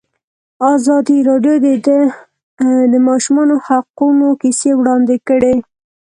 ازادي راډیو د د ماشومانو حقونه کیسې وړاندې کړي.